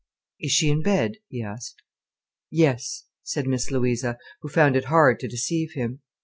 "Is she in bed?" he asked. "Yes," said Miss Louisa, who found it hard to deceive him.